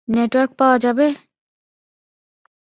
Network পাওয়া যাবে?